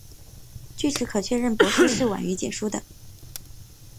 据此可确认帛书是晚于简书。